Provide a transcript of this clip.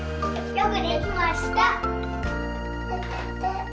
よくできました！